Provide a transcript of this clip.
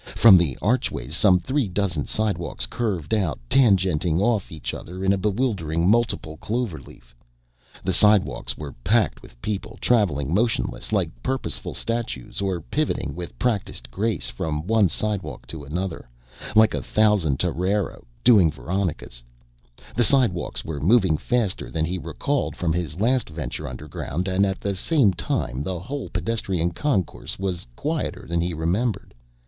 From the archways some three dozen slidewalks curved out, tangenting off each other in a bewildering multiple cloverleaf. The slidewalks were packed with people, traveling motionless like purposeful statues or pivoting with practiced grace from one slidewalk to another, like a thousand toreros doing veronicas. The slidewalks were moving faster than he recalled from his last venture underground and at the same time the whole pedestrian concourse was quieter than he remembered.